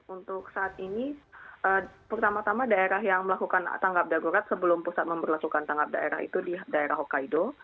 untuk saat ini pertama tama daerah yang melakukan tanggap darurat sebelum pusat memperlakukan tanggap daerah itu di daerah hokkaido